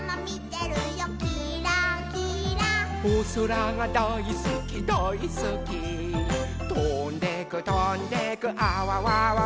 「おそらがだいすきだいすき」「とんでくとんでくあわわわわ」